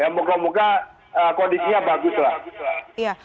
muka muka kondisinya bagus lah